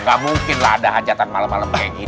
ga mungkin lah ada hajatan malem malem kayak gitu